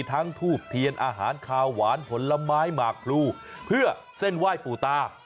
ทูบเทียนอาหารคาวหวานผลไม้หมากพลูเพื่อเส้นไหว้ปู่ตา